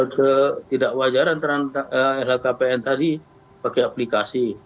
ketidakwajaran lhkpn tadi pakai aplikasi